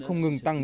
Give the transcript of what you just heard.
không ngừng tăng